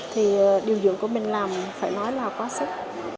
thì điều dưỡng của mình làm phải nói là quá sức